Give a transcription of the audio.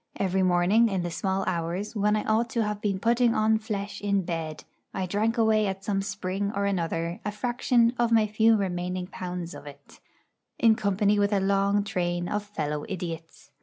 Every morning, in the small hours, when I ought to have been putting on flesh in bed, I drank away at some spring or another a fraction of my few remaining pounds of it, in company with a long train of fellow idiots.